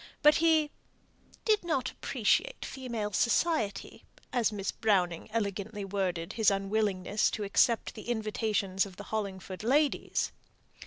But he "did not appreciate female society," as Miss Browning elegantly worded his unwillingness to accept the invitations of the Hollingford ladies.